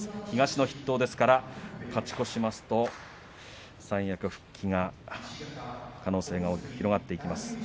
東の筆頭ですから勝ち越しますと三役復帰が可能性が大きく広がっていきます。